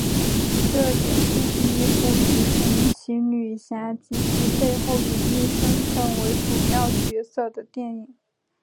这也是第一部以神奇女侠及其背后隐秘身份为主要角色的电影。